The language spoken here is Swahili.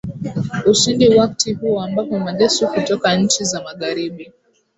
ushindi wakti huo ambapo majeshi kutoka nchi za magharibi